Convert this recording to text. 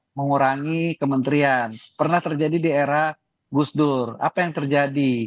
nah ini adalah hal yang terjadi di kementerian pernah terjadi di era gus dur apa yang terjadi